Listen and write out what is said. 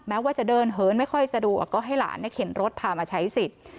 ว่าจะเดินเหินไม่ค่อยสะดวกก็ให้หลานเข็นรถพามาใช้สิทธิ์